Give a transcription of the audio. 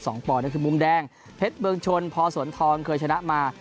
ปอนดก็คือมุมแดงเพชรเมืองชนพอสวนทองเคยชนะมา